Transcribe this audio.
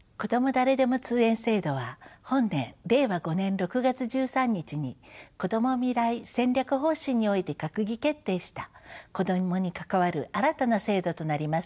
誰でも通園制度は本年令和５年６月１３日にこども未来戦略方針において閣議決定した子どもに関わる新たな制度となります。